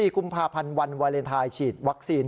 ๔กุมภาพันธ์วันวาเลนไทยฉีดวัคซีน